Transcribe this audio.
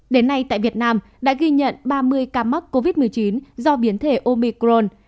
đến nay tại việt nam đã ghi nhận ba mươi ca mắc covid một mươi chín do biến thể omicron